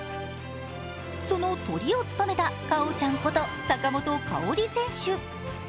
そのトリを務めた、かおちゃんこと坂本花織選手。